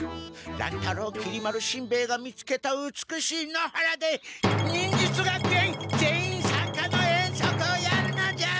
乱太郎きり丸しんべヱが見つけた美しい野原で忍術学園全員さんかの遠足をやるのじゃ！